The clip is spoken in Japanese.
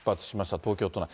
東京都内へ。